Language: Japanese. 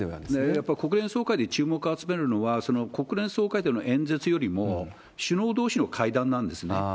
やっぱり国連総会で注目集めるのは、国連総会での演説よりも、首脳どうしの会談なんですね。